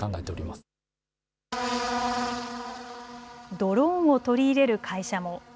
ドローンを取り入れる会社も。